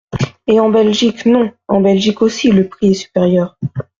Et en Belgique ? Non ! En Belgique aussi, le prix est supérieur.